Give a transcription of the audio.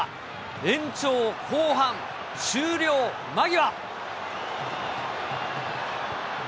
延長後半終了間際。